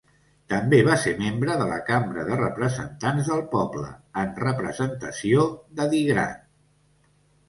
També va ser membre de la Cambra de Representants del Poble, en representació d'Adigrat.